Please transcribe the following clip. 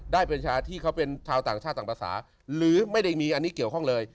ประชาที่เขาเป็นชาวต่างชาติต่างภาษาหรือไม่ได้มีอันนี้เกี่ยวข้องเลย